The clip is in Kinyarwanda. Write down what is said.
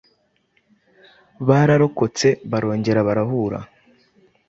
Bararokotse, barongera barahura